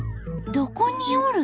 どこにおる？